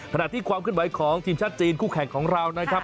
ขณะที่ความขึ้นไหวของทีมชาติจีนคู่แข่งของเรานะครับ